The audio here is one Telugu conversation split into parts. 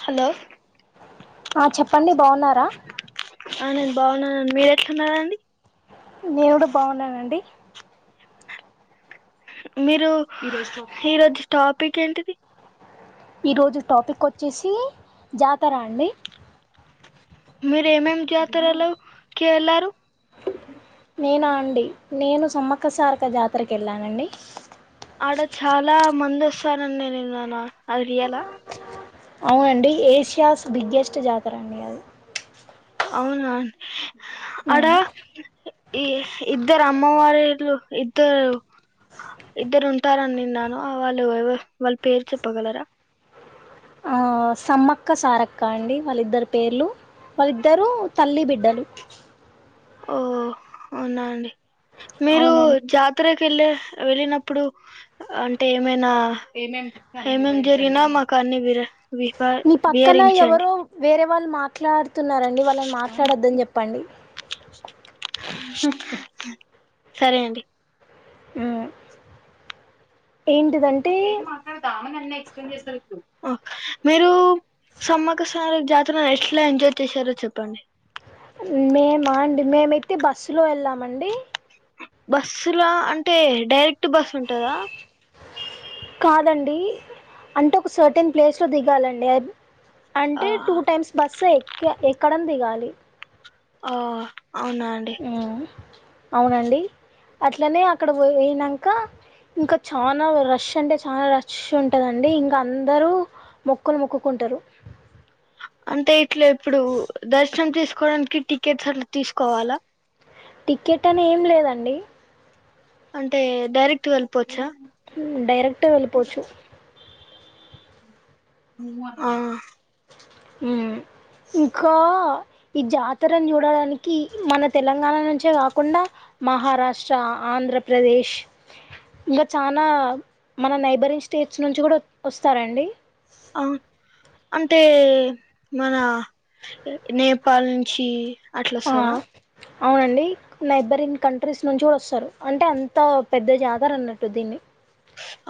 హలో ఆ చెప్పండి, బావున్నారా? ఆ నేను బాగున్నానండి. మీరేట్లున్నారండి? నేను కూడ బావున్నానండి. మీరు ఈ రోజు టాపిక్ ఏంటిది? ఈరోజు టాపిక్ వచ్చేసి జాతర అండి. మీరు ఏమేం జాతరలో కి వెళ్లారు? నేనా అండి నేను సమ్మక్క సారక్క జాతరకు ఎళ్ళానండి. ఆడ చాలా మంది వస్తానని నేను విన్నాను అది రియలా. అవునండి ఏషియాస్ బిగ్గెస్ట్ జాతర అండి అది. అవునా ఆడ ఉమ్. ఈ ఇద్దరు అమ్మవారిలు ఇద్దరు ఇద్దరు ఉంటారాని విన్నాను వాళ్ళు ఎ వాళ్ళ పేరు చెప్పగలరా. ఆ సమ్మక్క సారక్క అండి వాళ్ళిద్దరు పేర్లు, వాళ్ళిద్దరు తల్లి బిడ్డలు. ఓ అవునా అండి మీరు అవునండి జా తరకి వెళ్ళి వెళ్ళినప్పుడు అంటే ఏమైనా ఏమేం జరిగినా మాకు అన్ని విర విఫ మీ పక్కన విహరించండి. ఎవరో వేరే వాళ్ళు మాట్లాడుతున్నరండి వాళ్ళను సరే అండి. ఆ ఏంటిదంటే ఆ తామనన్న ఎక్స్ప్లెయిన్ జేస్తడిపుడు మీరూ సమ్మక సార జాతర ఎట్లా ఎంజాయ్ చేశారో చెప్పండి మేమ అండి మేమైతే బస్సులో ఎళ్ళామండి బస్సులా అంటే డైరెక్ట్ బస్సు ఉంటదా కాదండి అంటే ఒక సర్టెన్ ప్లేస్లో దిగాలండి అఇత్ ఆ అంటే టూ టైమ్స్ బస్సు ఎక్క ఎక్కడం దిగాలి ఆ అవునా అండి హ్మ్ అవునండి అట్లనే అక్కడ పోయ్ పోయినంక ఇంక చాన రష్ అంటే చాన రష్ ఉంటదండి ఇంకా అందరూ మొక్కులు మొక్కుకుంటరు అంటే ఇట్ల ఇప్పుడు దర్శనం చేసుకోడానికి టికెట్స్ అట్ల తీసుకోవాలా టికెట్ అని ఏం లేదండి అంటే డైరెక్ట్ గ ఎల్పోవచ్చా హ్మ్ డైరెక్టే వెళ్ళిపోవచ్చు ఆ ఇంకా ఈ జాతరను చూడడానికి మన తెలంగాణ నుంచే గాకుండా మహారాష్ట్ర, ఆంధ్రప్రదేశ్ ఇంక చానా మన నైబరింగ్ స్టేట్స్ నుంచి కూడా ఒత్ ఒస్తారండి అ అంటే మనా ఎ నేపాల్ నుంచి ఆ అట్లొస్తరా అవునండి నెబరింగ్ కంట్రీస్ నుంచి కూడ వస్తరు అంటే అంత పెద్ద జాతర అన్నట్టు దీన్ని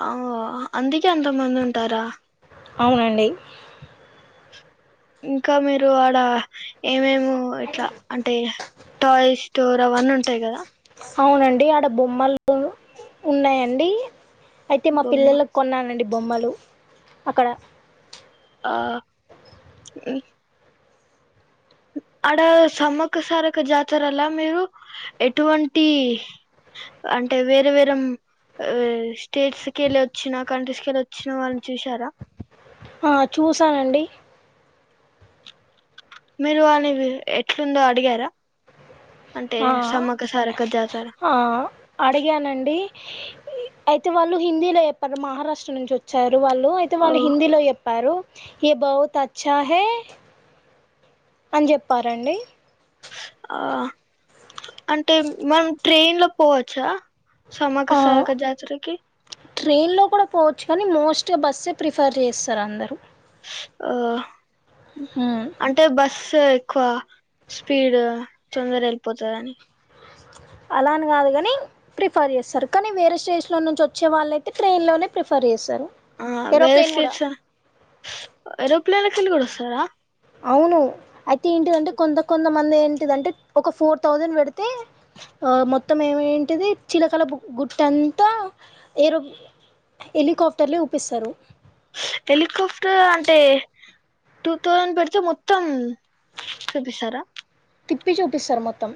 ఆ అందుకే ఎంతమంది ఉంటారా అవునండి ఇంకా మీరు ఆడ ఏమేము ఇట్లా అంటే టాయ్స్ స్టోర్ అవన్నుంటయి గదా సవునండి ఆడ బొమ్మలు ఉన్నాయండి అయితే మా బొమ్మ పిల్లలక్ కొన్నానండి బొమ్మలు అక్కడ ఆ ఉమ్ ఆడ సమ్మక్క సారక్క జాతరల మీరు ఎటువంటి అంటే వేరే వేరేమ్ ఆస్టేట్స్ కెలచ్చిన కంట్రీస్ కెళ్ళచ్చిన వాళ్ళని చూసారా హా చూసానండి మీరు వాల్ని ఎట్లుందో అడిగారా అంటే ఆ సమ్మక సారక్క జాతర ఆ అడిగానండి అయితే వాళ్ళు హిందీలో చెప్పరు మహారాష్ట్ర నుంచి వచ్చారు వాళ్ళు అయితే ఓ వాళ్ళు హిందీలో చెప్ ప్పారు ఎ బహుత్ అచ్చా హై అని చెప్పారండి ఆ అంటే మనం ట్రైన్ లో పోవచ్చా సమ్మక్క ఆ సారక్క జాతరకి ట్రైన్లో కుడా పోవచ్చు కనీ మోస్ట్గా బస్సే ప్రిఫర్ జేస్తరు అందరూ ఆ హ్ అంటే బస్సు ఎక్కువ స్పీడ్ తొందర ఎళ్ళిపోతదని అలాని గాదు కని ప్రిఫర్ చేస్తారు కానీ వేరే స్టేట్లో నుంచి వచ్చే వాళ్ళయితే ట్రైన్లోనే ప్రిఫర్ చేస్తారు ఆ వేరే ఏరోప్లేన్ కూడా స్టేట్స ఏరోప్లనేల నుంచి కూడ వస్తారా. అవును అయితే ఏంటిదంటే కొంత కొంతమంది ఏంటిదంటే ఒక ఫోర్ థౌజండ్ పెడితే మొత్తం ఏమైంటిది చిలకల గు గుట్టంతా ఏరు హెలికాప్టర్లే ఊపిస్తారు. హెలికాప్టర్ అంటే టూ థౌసండ్ పెడితే మొత్తం చూపిస్తారా తిప్పి చూపిస్తారు మొత్తం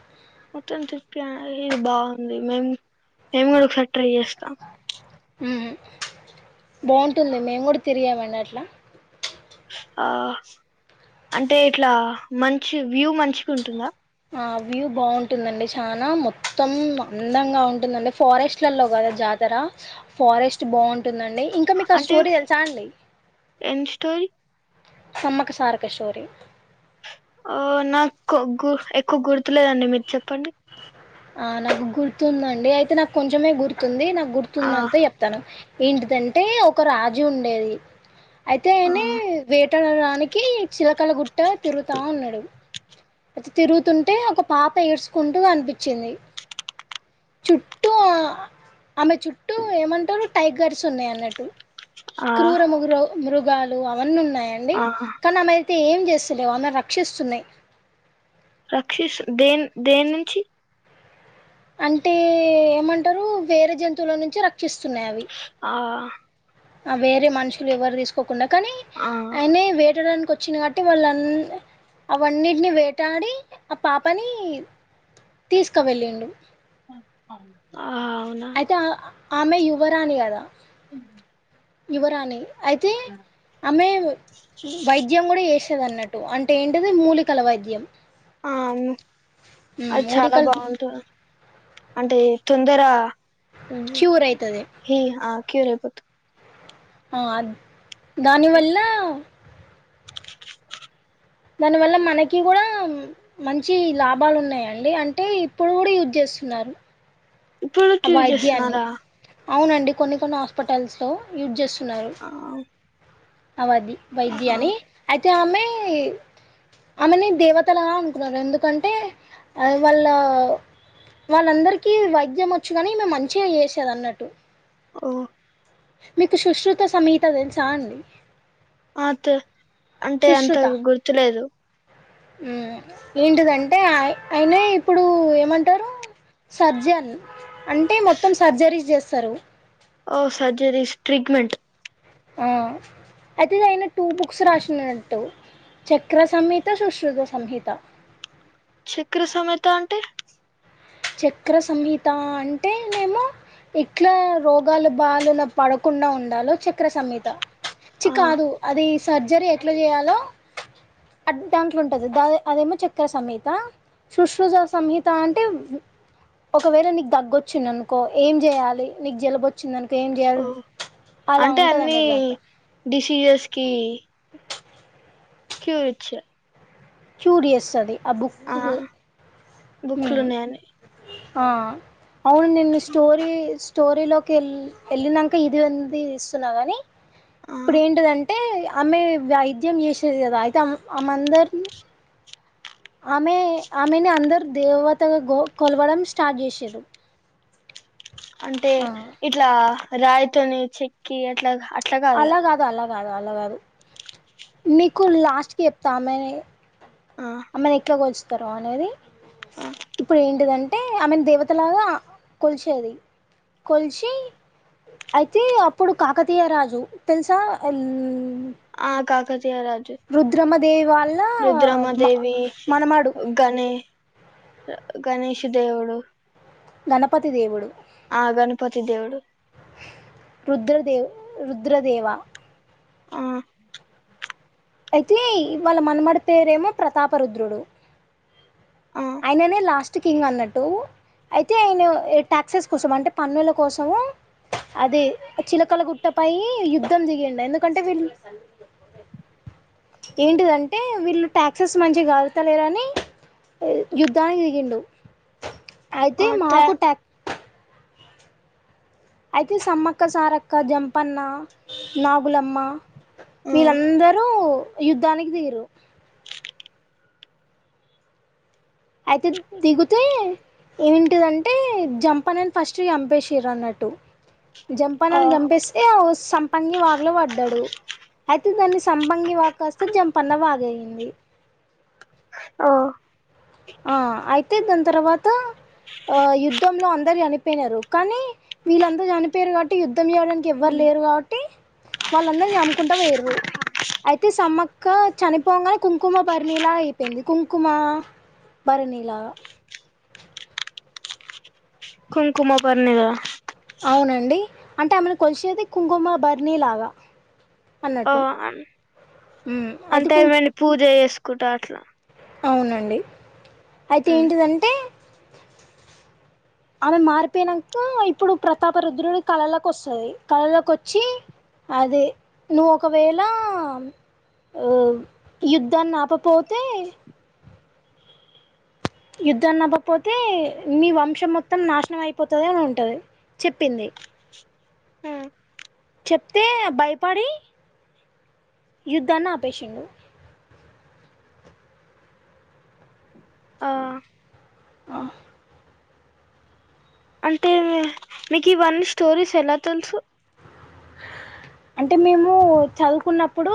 మొత్తం తిప్పి ఇది బాగుంది మేం మేము కూడా ఒకసారి ట్రై చేస్తాం మ్ బావుంటుది మేము కూడా తిరిగామండి అట్లా ఆ అంటే ఇట్లా మంచి వ్యూ మంచిగా ఉంటుందా ఆ వ్యూ బాగుంటుందండి చానా మొత్తం అందంగా ఉంటుందండి ఫారెస్ట్లలో కదా జాత్ ఫారెస్ట్ బాగుంటుందండి ఇంకా మీకు ఆ అంటే స్టోరీ తెలుసా అండి ఎం స్టోరీ సమ్మక్క సారక్క స్టోరీ ఆ నాకు గు ఎక్కుగుర్తులేదండి మీరు చెప్పండి. ఆ నాకు గుర్తుందండి అయితే నాకు కొంచమే గుర్తుంది నాకు ఆ గుర్తుందంత చెప్ తాను. ఏంటిదంటే ఒక రాజు ఉండేది అయితే ఆ ఆయనే వే ట్టడానికి చిలకల గుట్ట తిరుగుతా ఉన్నడు. అట తిరుగుతుంటే ఒక పాప ఏడ్చుకుంటూ కనిపించింది. చుట్టూ ఆమె చుట్టూ ఏమంటరు టైగర్స్ ఉన్నయి అన్నట్టు. ఆ క్రూర ముగ్రౌ మృగాలు అవన్నీ ఉన్నాయండి ఆ కానీ ఆమె అయితే ఏం చేస్తలే ఆమెని రక్షిస్తున్నాయి. రక్షిస్ దేన్ దేన్ నుంచి అంటే ఏమంటరు వేరే జంతువుల నుంచి రక్షిస్తున్నాయి అవి ఆ ఆ వేరే మనుషులు ఎవరు తీసుకోకుండా కానీ ఆ ఆయనే వేటడానికి వ వచ్చిన కట్టి వాళ్ళ అవన్నింటిని వేటాడి ఆ పాపని తీసుకువెళ్ళిండు. అ అవునా అ ఆమె యువరానీ కదా ఉ యువరాని అయితే ఆమె వైద్యం కూడా చేసేదన్నట్టు అంటే ఏంటిది మూలికల వైద్యం. ఆ అవును ఉమ్, అది చాలా మూలికలు బాగుంటుంది అంటే తొందర క్యూర్ అవుతుంది హ ఆకే రేపద్దు ఆ దానివల్ల దానివల్ల మనకి కూడా మంచి లాభాలు ఉన్నాయండి అంటే ఇప్పుడు కూడా యూజ్ చేస్తున్నారు. ఇప్పుడు ఆ క్యూర్ వైద్యాన్ని చేస్తున్నారా అవునండి కొన్ని కొన్ని హాస్పిటల్స్లో యూజ్ చేస్తున్నారు ఆ, అవది ఆ, వైద్యాని అయితే ఆమె ఆమెని దేవతలలా అనుకున్నారు ఎందుకంటే వాళ్ళ వాళ్ళందరికీ వైద్యం వచ్చు కాని ఈమె మంచిగా చేసేది అన్నట్టు ఉ మీకు సుశ్రుత సమేత తెలుసాండి. అ అంటే అంత సుశ్రుత గుర్తులేదు ఏంటిదంటే అయిన ఇప్పుడు ఏమంటారు సర్జన్ అంటే మొత్తం సర్జరీ చేస్తారు ఓ సర్జరీస్ ట్రీగమెంట్ ఆ అయితే ఇది అయినా టూ బుక్స్ రాసినట్టు చక్రసహిత సుశ్రుత సంహత చక్క్ర సమేత అంటే చక్ర సంహిత అంటే నేమో ఇట్లా రోగాలు బాాలున పడకుండా ఉండాలో చె చక్ర సమేత చి ఆ కాదు అది సర్జరీ ఎట్లా చేయాలో దాంట్లో ఉంటది దా అదేమో చక్కె సమేత శుశ్రుజ సంహిత అంటే ఒకవేళ నీకు తగ్గొచ్చిం అనుకో ఏం చేయాలి నీకు జలబొచ్చ వచ్చి దాక ఏం ఓ చేయాలి అలా అంటే ఉంటదంట అన్ని దాకా డిసీజెస్ కి క్యూ ఇచ్చ చూడ వస్తుంది ఆ బుక్ బుక్లు ఉన్నాయని అవును నిను స్టోరీ స్టోరీలోకి వెళ్ వెళ్ళాక ఇది ఉంది ఇస్తున్నా కానీ ఆ ఇప్పుడ ఏంటదంటే ఆమె వైద్యం చేసేది కదా అయితే ఆమందరిని ఆమె ఆమెని అందరుూ దేవతగా కొలవడం స్టార్ట్ చేసారు అంటే ఇట్లా రాయితోని చెక్కి అట్లా అట్లా అలా కదా కాదు అలా కాదు అలా కాదు మీీకు లాస్ట్కి చెప్తామని ఆమెని ఆ ఆమ్మెని ఎక్కలాకి వచ్చుతారు అనేది ఆ ఇప్పుడు ఏంటిదంటే ఐ మీన్ దేవతలాగా కొల్చేది కొల్చీ అయితే అప్పుడు కాకతీయ రాజు తెలుసా ఆ కాకతీయ రాజు రుద్రమ దేవి వాళ్ళ మ రుద్రమదేవి మనమాడు గణే గణేష్ దేవుడు గణపతి దేవుడు ఆ గణపతి దేవుడు రుద్రదేవ్ రుద్రదేవా ఆ అయితే ఇవాళ మనమడి పేరేమో ప్రతాప రుద్రుడు ఆ ఆయననే లాస్ట్ కింగ్ అన్నట్టు అయితే ఆయన టాక్సెస్ కోసం అంటే పన్నుల కోసం అదే చిలకల గుట్టపై యుద్ధం దియండి ఎందుకంటే వీళ్ళు ఏంటిదంటే వీళ్ళు టాక్సెస్ మంచిగా కలుతలేరుని యుద్ధానికి దిగిండు అయితే ఆ ట్యా మాకు టక్ అయితే సమ్మక్క సారక్క జంపన్న నాగులమ్మ ఆ వీళ్ళందరూ యుద్ధానికి తీరు అయితే దిగుత ఏంటిదంటే జంపనని ఫస్ట్ చంపేసిర అన్నట్టు ఆ జంపనను చంపేస్తే సం పంగి వాగలో పడ్డాడు అయితే దాన్ని సంపంగి వాగు కాస్త జంపన్న వాగయ్యంది ఆ ఆ అయితే దాని తర్వాత ఆ యుద్ధంలో అందరు చనిపోయినారు కానీ వీళ్ళందరూ చనిపోయారు కా ట్టి యుద్ధం చేయడానికి ఎవరు లేరు కాబట్టి వాళ్ళందరు అమ్ముకుంటా పొయ్యిర్రు అయితే సమ్మక్క చనిపోగానే కుంకుమ బరినిలా అయిపోయింది కుంకుమ బరినిలా కుంకుమ బరినిలా అవునండి అంటే ఆమెను కొలిసేది కుంకుమ బర్నీలాగా ఓ అం ఉమ్, అయితే అంటే కుం ఏమన పూజ చేసుకుంటా అట్లా అవునండి అయితే ఏంటిదంటే ఆమె మారిపోయినంక ఇప్పుడు ప్రతాప రుద్రుడు కళలోకి వస్తది కళలోకి వచ్చి అదే నువ్వు ఒకవేళ ఆ యుద్ధాన్ని ఆపపోతే యుద్దాన్నాపకపోతే మీ వంశం మొత్తం నాశనం అయిపోతాది అని ఉంటది చెప్పింది ఆ చెప్తే భయపడి యుద్ధన్ని ఆపేసిండు ఆ ఆ అంటే మీకు ఈ వన్ స్టోరీస్ ఎలా తెలుసు అంటే మేము చదువుకున్నప్పుడు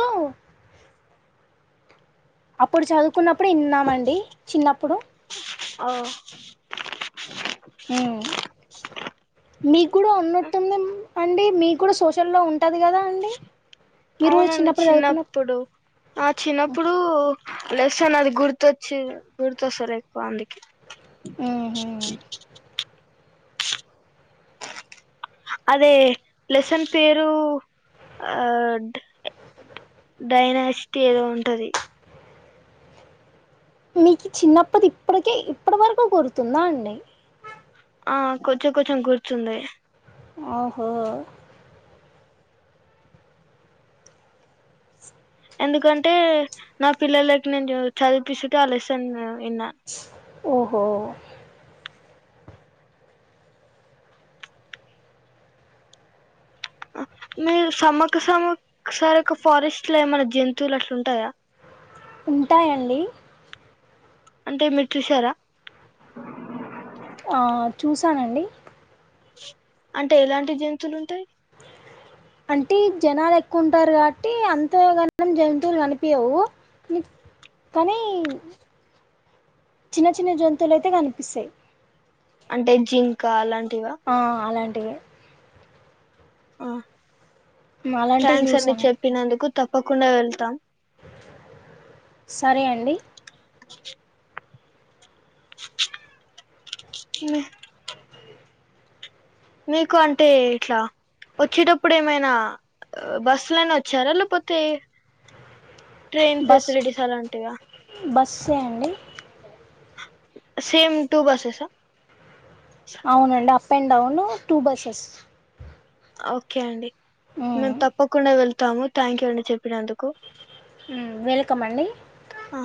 అప్పుడు చదువుకున్నప్పుడు విన్నామండి చిన్నప్పుడు ఆ ఆ మీ కూడా ఉన్నట్టు అండి మీ కూడా సోషల్లో ఉంటది కదా అండి మీరు కూడా అవునండి చదువుకున్న చిన్నప్పుడు ఆ చిన్నప్పుడు లెసన్ అది గుర్తొచ్చి గుర్తొస్తంది ఎక్కువ అందుకే ఊహు అదే లెసన్ పేరు ఆ డైనాస్టీ ఏదో ఉంటది మీకు చిన్నప్పది ఇప్పటికే ఇప్పటి వరకు గుర్తుందా అండి ఆ కొంచెం కొంచెం కూర్చుంది ఓహో ఎందుకంటే నా పిల్లలకి నేను చదిపిస్తు ఆ లెస్సన్ విన్నాను ఓహో మీరు సమ్మక్క సమ్మక్క సరక్క ఫారెస్ట్ లో ఏమన్నా జంతువులు అట్లుంటాయా ఉంటాయండి అంటే మీరు చూసారా ఆ చూసానండి అంటే ఎలాంటి జంతువులు ఉంటాయి బ అంటే జనాలు ఎక్కువ ఉంటారు కాబట్టి అంతగాన జంతువులు కనిపించవు కనీ చిన్న చిన్న జంతువులయితే కనిపిస్తాయి. అంటే జింక అలాంటివ. ఆ అలాంటివే. ఆ అలాంటివి థ్యాంక్స్ అండి చూసాను చెప్పినందుకు తప్పకుండా వెళ్తాం. సరే అండి. మ్మ్ మీకు అంటే ఇట్లా వచ్చేటప్పుడు ఏమైనా. బస్ లోనే వచ్చారా లేకపోతే ట్రైన్ బస్ ఫెసిలిటీస్ అలాంటివా. బస్సే అండి సేమ్ టూ బస్సేసా అవునండి up and down two buses. Okay అండి మేము తప్పకుండా వెళ్తాము థ్యాంక్ యూ అండి చెప్పినందుకు. హు వెల్కమ్ అండి. ఆ